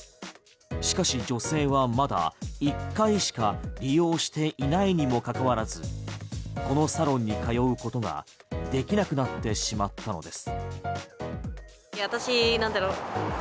しかし女性は、まだ１回しか利用していないにもかかわらずこのサロンに通うことができなくなってしまったのです。